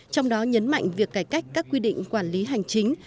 trong đó nhấn mạnh việc cải cách các quy định quản lý hành chính